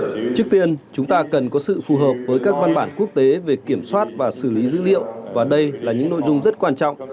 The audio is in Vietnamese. trước tiên chúng ta cần có sự phù hợp với các văn bản quốc tế về kiểm soát và xử lý dữ liệu và đây là những nội dung rất quan trọng